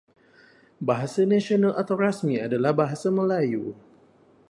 Bahasa nasional atau rasmi adalah Bahasa Melayu.